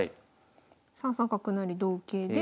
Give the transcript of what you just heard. ３三角成同桂で。